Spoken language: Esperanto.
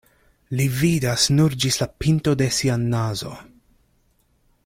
Li vidas nur ĝis la pinto de sia nazo.